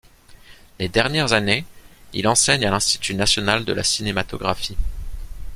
Les dernières années, il enseigne à l'Institut national de la cinématographie.